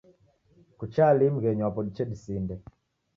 Kucha lii mghenyi wapo diche disinde?